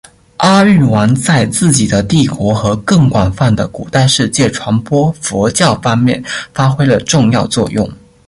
阿育王在自己的帝国和更广泛的古代世界传播佛教方面发挥了重要作用。